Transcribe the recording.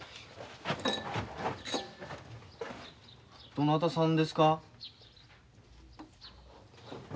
どなたさんですか？